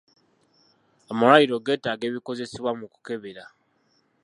Amalwaliro getaaga ebikozesebwa mu kukebera.